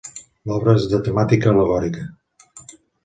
L'obra és de temàtica al·legòrica.